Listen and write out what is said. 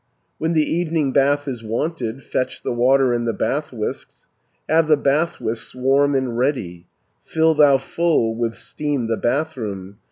350 "When the evening bath is wanted, Fetch the water and the bath whisks, Have the bath whisks warm and ready, Fill thou full with steam the bathroom.